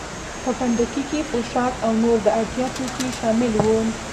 په پنډکي کې پوښاک او نور د اړتیا توکي شامل وو.